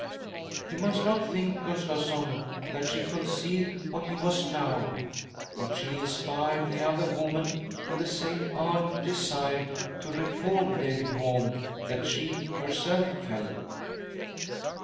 You must not think, Gustavsson, that she concealed what he was now, but she inspired the . other woman with the same ardent desire to reform David Holm that she herself felt."